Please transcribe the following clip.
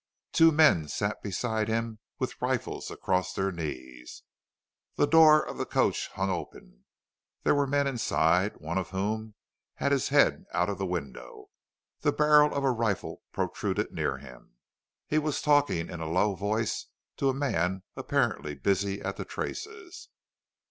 Two men sat beside him with rifles across their knees. The door of the coach hung open. There were men inside, one of whom had his head out of the window. The barrel of a rifle protruded near him. He was talking in a low voice to a man apparently busy at the traces.